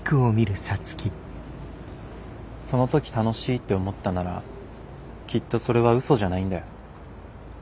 その時楽しいって思ったならきっとそれは嘘じゃないんだよ。